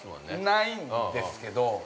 ◆ないんですけど。